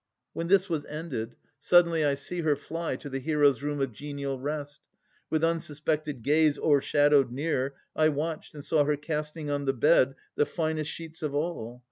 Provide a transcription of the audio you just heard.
When this was ended, suddenly I see her Fly to the hero's room of genial rest. With unsuspected gaze o'ershadowed near, I watched, and saw her casting on the bed The finest sheets of all.